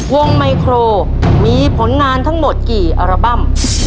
ไมโครมีผลงานทั้งหมดกี่อัลบั้ม